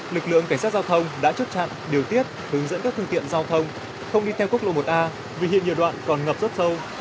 lực lượng cảnh sát giao thông đã chốt chặn điều tiết hướng dẫn các phương tiện giao thông không đi theo quốc lộ một a vì hiện nhiều đoạn còn ngập rất sâu